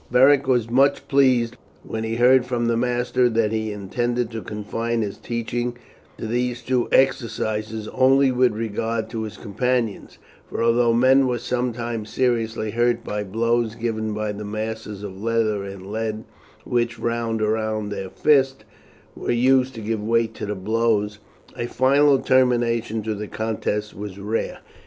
Beric was much pleased when he heard from the master that he intended to confine his teaching to these two exercises only with regard to his companions; for although men were sometimes seriously hurt by blows given by the masses of leather and lead, which, wound round the fist, were used to give weight to the blows, a final termination to the contests was rare.